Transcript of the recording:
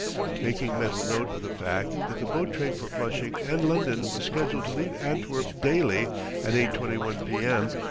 Making mental note of the fact that the boat train for Flushing and London was scheduled to leave Antwerp daily at 8:21 p. m.